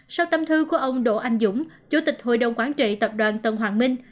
sau tâm thư của ông đỗ anh dũng chủ tịch hội đồng quán trị tập đoàn tân hoàng minh